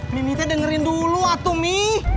mimitnya dengerin dulu atomi